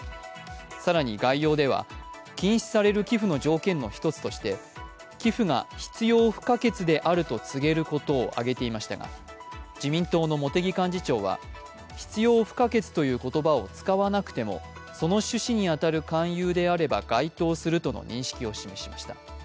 更に概要では、禁止される寄付の条件の一つとして寄付が必要不可欠であると告げることを挙げていましたが、自民党の茂木幹事長は、必要不可欠という言葉を使わなくても、その趣旨に当たる勧誘であれば該当するとの認識を示しました。